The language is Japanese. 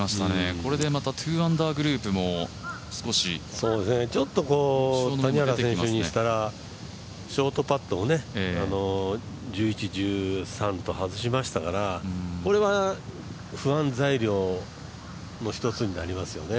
これでまた２アンダーグループもちょっと谷原選手にしたらショートパットを１１、１３と外しましたからこれは不安材料の一つになりますよね。